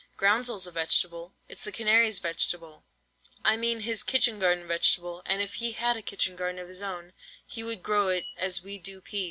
Groundsel's a vegetable, it's the canary's vegetable. I mean his kitchen garden vegetable, and if he had a kitchen garden of his own, he would grow it as we do peas.